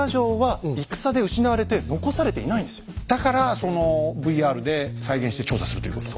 だからそのＶＲで再現して調査するということ？